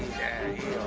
いいよ！